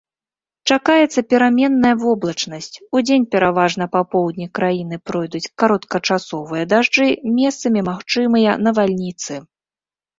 Чакаецца пераменная воблачнасць, удзень пераважна па поўдні краіны пройдуць кароткачасовыя дажджы, месцамі магчымыя навальніцы.